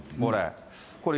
これ。